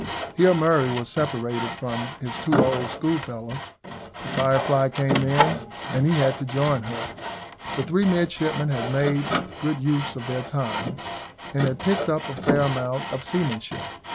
Here Murray was separated from his two old schoolfellows. The Firefly came in, and he had to join her. The three midshipmen had made good use of their time, and had picked up a fair amount of seamanship.